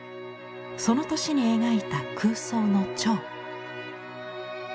その年に描いた空想の蝶。